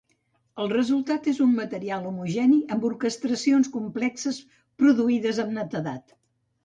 El resultat és un material homogeni amb orquestracions complexes produïdes amb netedat.